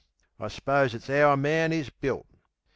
I s'pose it's 'ow a man is built.